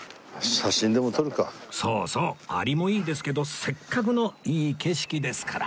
そうそう！アリもいいですけどせっかくのいい景色ですから